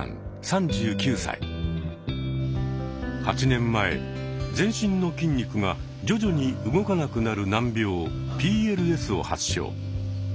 ８年前全身の筋肉が徐々に動かなくなる難病「ＰＬＳ」を発症。